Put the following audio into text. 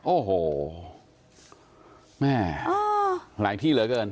โอ้โหแม่หลายที่เหลือเกิน